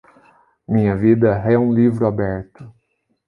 Minha vida é um livro aberto